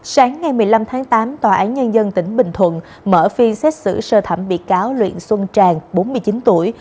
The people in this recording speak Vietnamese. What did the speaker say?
sáng ngày một mươi năm tháng tám tòa án nhân dân tỉnh bình thuận mở phiên xét xử sơ thẩm bị cáo luyện xuân tràng bốn mươi chín tuổi